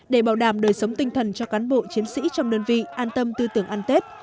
để bảo đảm đời sống tinh thần cho cán bộ chiến sĩ trong đơn vị an tâm tư tưởng ăn tết